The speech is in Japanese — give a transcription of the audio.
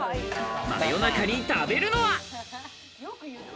夜中に食べるのは？